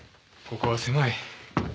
ここは狭い。